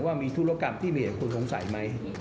ว่ามีธุรกรรมที่มีเหตุผลสงสัยไหม